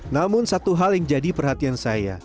namun satu hal yang jadi perhatian saya